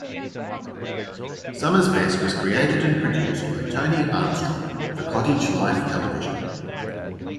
Summer's Best was created and produced by Tony Armstrong for Cottage Life Television.